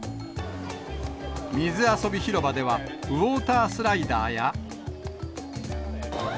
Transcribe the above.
水遊び広場ではウォータースライダーや。